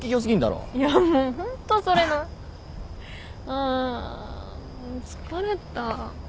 あ疲れた。